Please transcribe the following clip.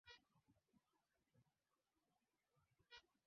ana dalili yeyote ya uokongozi ananyakua